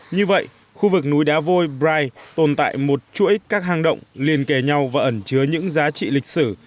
như vậy khu vực núi đá vôi bri tồn tại một chuỗi các hang động liên kề nhau và ẩn chứa những giá trị lịch sử